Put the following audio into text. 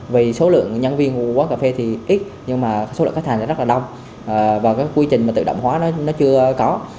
vì số lượng nhân viên của quán cà phê ít nhưng số lượng khách hàng rất đông và quy trình tự động hóa chưa có